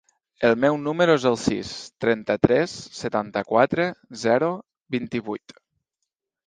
El meu número es el sis, trenta-tres, setanta-quatre, zero, vint-i-vuit.